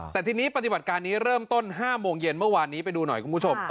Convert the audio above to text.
แต่ทีนี้ปฏิบัติการนี้เริ่มต้น๕โมงเย็นเมื่อวานนี้ไปดูหน่อยคุณผู้ชม